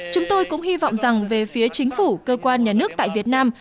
chúng tôi cũng hy vọng rằng về phía chính phủ cơ quan nhà nước tại việt nam